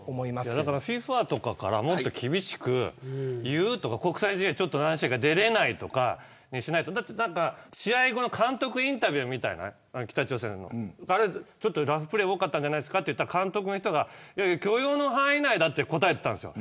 ＦＩＦＡとかからもっと厳しく言うとか国際試合に何試合か出れないとかにしないと試合後の北朝鮮の監督インタビューでラフプレー多かったんじゃないですかと聞いたら、監督の人が許容の範囲内だって答えていたんです。